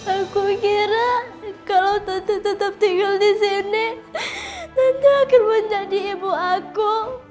aku kira kalau tetap tinggal di sini tentu akan menjadi ibu aku